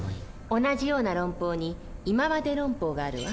同じような論法に「いままで論法」があるわ。